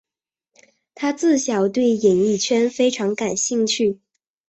她自小对演艺圈非常感兴趣。